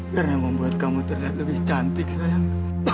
karena membuat kamu terlihat lebih cantik sayang